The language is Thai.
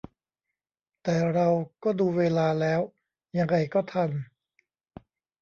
แต่เราก็ดูเวลาแล้วยังไงก็ทัน